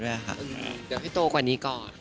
เดี๋ยวให้โตกว่านี้ก่อน